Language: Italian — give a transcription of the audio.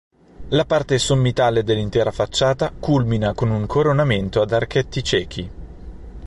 La parte sommitale dell'intera facciata culmina con un coronamento ad archetti ciechi.